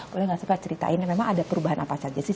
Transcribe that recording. boleh nggak suka ceritain memang ada perubahan apa saja sih